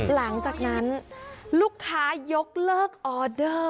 หลังจากนั้นลูกค้ายกเลิกออเดอร์